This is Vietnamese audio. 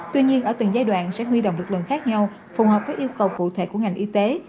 tuy nhiên ở từng giai đoạn sẽ huy động lực lượng khác nhau phù hợp với yêu cầu cụ thể của ngành y tế